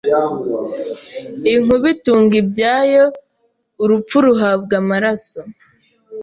inkuba itunga ibyayo, urupfu ruhabwa amaraso